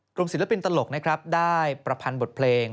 กรุงศิลปินตลกได้ประพันธ์บทเพลง